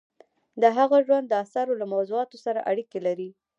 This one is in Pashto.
د هغه ژوند د اثارو له موضوعاتو سره اړیکه لري.